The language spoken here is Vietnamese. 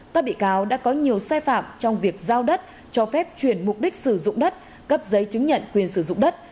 các bị cáo đã có nhiều xe phạm trong việc giao đất cho các dự án sinh thái tâm linh cửu long sơn tự và dự án biệt thự sông núi vĩnh trung